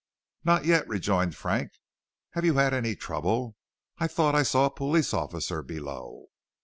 "Not yet," rejoined Frank. "Have you had any trouble? I thought I saw a police officer below."